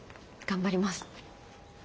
頑張ります。